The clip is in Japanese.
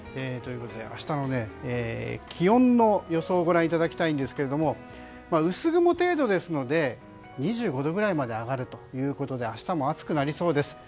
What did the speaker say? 明日の気温の予想をご覧いただきたいんですが薄曇程度ですので２５度くらいまで上がるということで明日も暑くなりそうです。